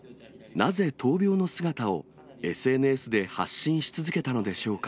なぜ闘病の姿をＳＮＳで発信し続けたのでしょうか。